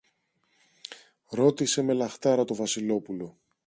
ρώτησε με λαχτάρα το Βασιλόπουλο.